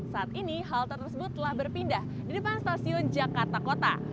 saat ini halte tersebut telah berpindah di depan stasiun jakarta kota